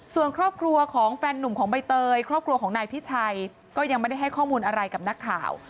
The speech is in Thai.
ส่วนครอบครัวของแฟนนุ่มของใบเตยครอบครัวของนายพิชัยก็ยังไม่ได้ให้ข้อมูลอะไรกับนักข่าว